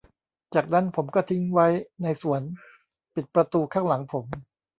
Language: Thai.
จากนั้นผมก็ทิ้งไว้ในสวนปิดประตูข้างหลังผม